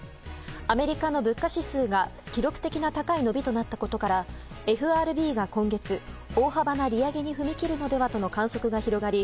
アメリカの物価指数が記録的な高い伸びとなったことからＦＲＢが今月大幅な利上げに踏み切るのではとの観測が広がり